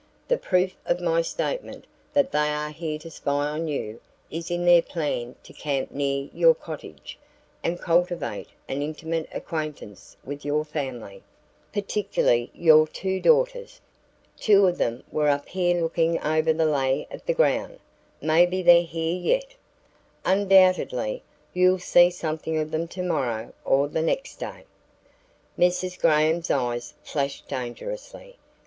The proof of my statement that they are here to spy on you is in their plan to camp near your cottage and cultivate an intimate acquaintance with your family, particularly your two daughters. Two of them were up here looking over the lay of the ground; maybe they're here yet. Undoubtedly you'll see something of them tomorrow or the next day." Mrs. Graham's eyes flashed dangerously.